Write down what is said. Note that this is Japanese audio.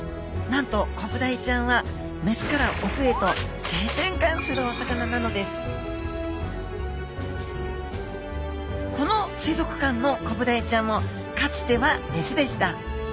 なんとコブダイちゃんはメスからオスへと性転換するお魚なのですこの水族館のコブダイちゃんもかつてはメスでした。